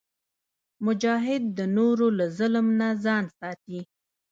مجاهد د نورو له ظلم نه ځان ساتي.